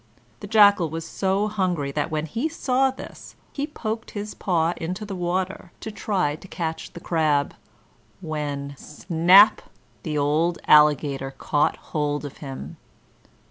The Jackal was so hungry that when he saw this he poked his paw into the water to try to catch the crab, when snap! the old Alligator caught hold of him.